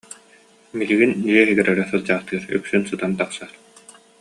Билигин дьиэ иһигэр эрэ сылдьаахтыыр, үксүн сытан тахсар